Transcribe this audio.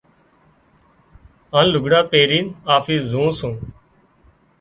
هانَ لگھڙان پيرينَ آفس زُون سُون۔